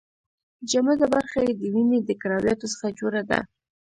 جامده برخه یې د وینې د کرویاتو څخه جوړه ده.